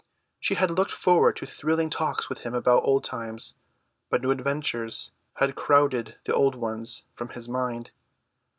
She had looked forward to thrilling talks with him about old times, but new adventures had crowded the old ones from his mind.